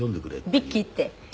ビッキーって。